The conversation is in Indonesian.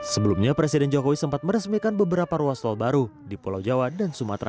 sebelumnya presiden jokowi sempat meresmikan beberapa ruas tol baru di pulau jawa dan sumatera